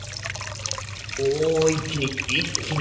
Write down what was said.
おお一気に一気に。